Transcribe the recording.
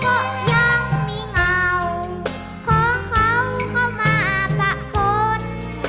เพราะยังมีเงาขอเขาเข้ามาประกน